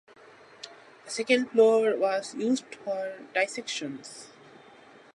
The second floor was used for dissections.